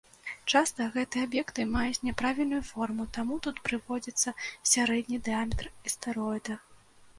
Часта гэтыя аб'екты маюць няправільную форму, таму тут прыводзіцца сярэдні дыяметр астэроіда.